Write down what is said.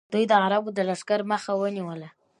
دوی د عربو د لښکرو مخه ونیوله